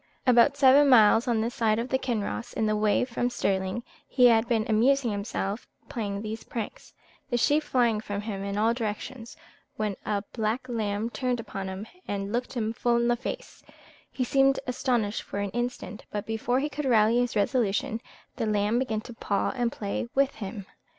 "About seven miles on this side of Kinross, in the way from Stirling, he had been amusing himself playing these pranks, the sheep flying from him in all directions, when a black lamb turned upon him, and looked him full in the face; he seemed astonished for an instant, but before he could rally his resolution, the lamb began to paw and play with him.